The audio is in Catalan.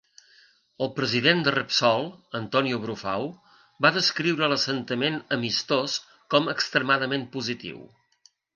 El president de Repsol, Antonio Brufau, va descriure l'assentament "amistós" com "extremadament positiu".